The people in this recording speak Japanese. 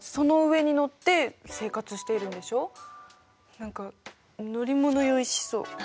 何か乗り物酔いしそう。